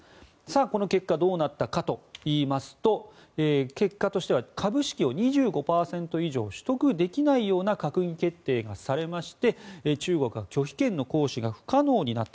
この結果どうなったかといいますと結果としては株式を２５％以上取得できないような閣議決定がされまして中国は拒否権の行使が不可能になった。